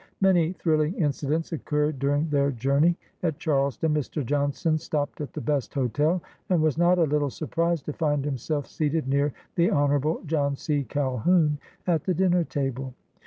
Many thrilling incidents occurred during their journey. At Charleston, Mr. Johnson stopped at the best hotel, and was not a little surprised to find himself seated near the Hon. John C. Calhoun at the dinner table.